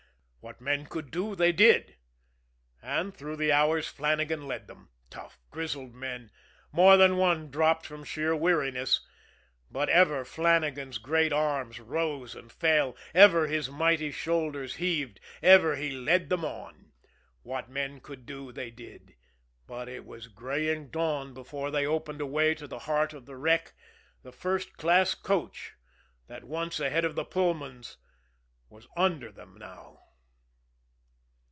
What men could do they did and through the hours Flannagan led them. Tough, grizzled men, more than one dropped from sheer weariness; but ever Flannagan's great arms rose and fell, ever his mighty shoulders heaved, ever he led them on. What men could do they did but it was graying dawn before they opened a way to the heart of the wreck the first class coach that once ahead of the Pullmans was under them now.